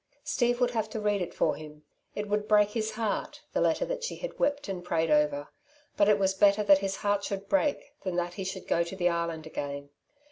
Steve would have to read it for him. It would break his heart, the letter that she had wept and prayed over; but it was better that his heart should break than that he should go to the Island again.